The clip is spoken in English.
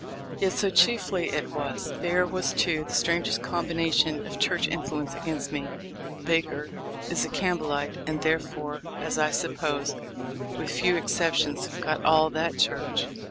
Yet so, chiefly, it was. There was, too, the strangest combination of church influence against me. Baker is a Campbell ite, and therefore as I suppose, with few excep tions, got all that church.